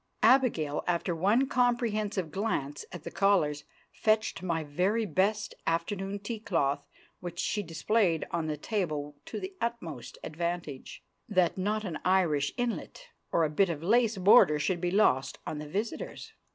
Abigail, after one comprehensive glance at the callers, fetched my very best afternoon tea cloth, which she displayed on the table to the utmost advantage, that not an Irish inlet or a bit of lace border should be lost on the visitors.